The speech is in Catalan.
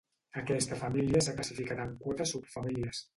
Aquesta família s'ha classificat en quatre subfamílies.